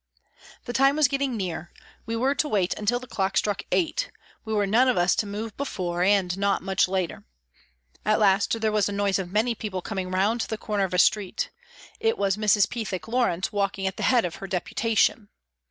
The time was getting near ; we were to wait until the clock struck 8 ; we were none of us to move before and not much later. At last there was a noise of many people coming round the corner of a street ; it was Mrs. Pethick Lawrence walking at the P. Y 322 PRISONS AND PRISONERS head of her Deputation.